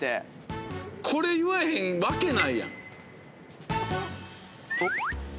これ言わへんわけないやん。